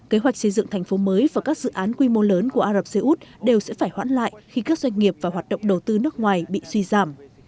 kế hoạch xây dựng thành phố mới và các dự án quy mô lớn của ả rập xê út đều sẽ phải hoãn lại khi các doanh nghiệp và hoạt động đầu tư nước ngoài bị suy giảm